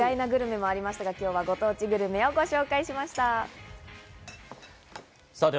意外なグルメもありましたが、今日はご当地グルメをご紹介しました。